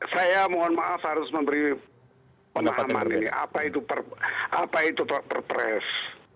saya mohon maaf harus memberi pemahaman ini apa itu perpres